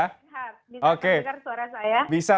bisa mendengar suara saya